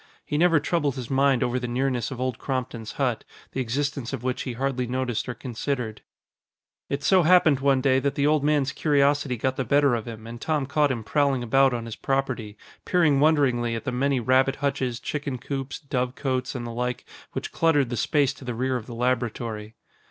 He never troubled his mind over the nearness of Old Crompton's hut, the existence of which he hardly noticed or considered. It so happened one day that the old man's curiosity got the better of him and Tom caught him prowling about on his property, peering wonderingly at the many rabbit hutches, chicken coops, dove cotes and the like which cluttered the space to the rear of the laboratory.